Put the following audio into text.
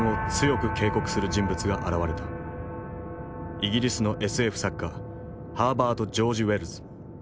イギリスのＳＦ作家ハーバート・ジョージ・ウェルズ。